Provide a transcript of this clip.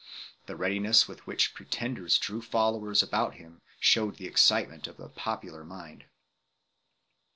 The readiness with which pretenders drew followers about them shewed the excitement of the popular mind.